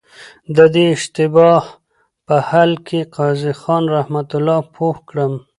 د دې اشتباه په حل کي قاضي خان رحمه الله پوه کړم.